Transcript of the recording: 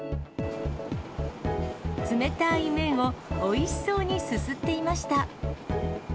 冷たい麺をおいしそうにすすっていました。